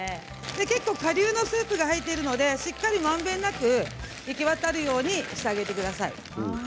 結構かりゅうスープのもとが入ってるのがまんべんなく行き渡るようにしてあげてください。